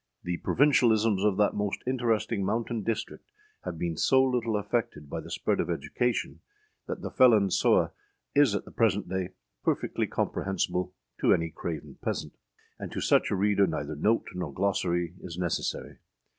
the provincialisms of that most interesting mountain district have been so little affected by the spread of education, that the Felon Sewe is at the present day perfectly comprehensible to any Craven peasant, and to such a reader neither note nor glossary is necessary.